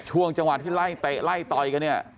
ช่วงจังหวัดที่ไล่ต่ออีกหนึ่งเนี่ย